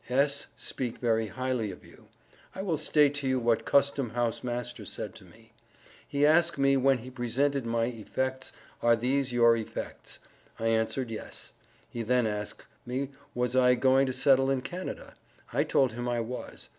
S. speek very highly of you. I will state to you what Custom house master said to me. He ask me when he Presented my efects are these your efects. I answered yes. He then ask me was I going to settle in Canada. I told him I was.